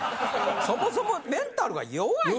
そもそもメンタルが弱い？